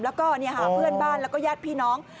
แล้วก็หาเพื่อนบ้านแล้วก็ญาติพี่น้อง